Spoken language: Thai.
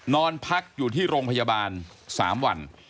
นอนพักอยู่ที่โรงพยาบาล๓วัน